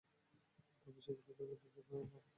তারপর সেগুলো এখানে রেখে উপর দিয়ে রোড-রোলার চালিয়ে দেবো।